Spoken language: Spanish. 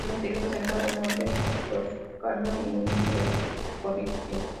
En el exterior presenta un orden toscano y en el interior corintio.